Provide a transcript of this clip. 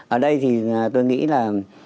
ở đây thì tôi nghĩ là